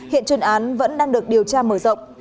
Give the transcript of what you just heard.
hiện chuyên án vẫn đang được điều tra mở rộng